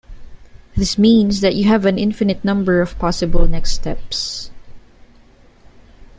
This means that you have an infinite number of possible next steps.